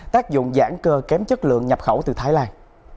tác dụng giãn cơ kém chất lượng nhập khẩu từ thái lan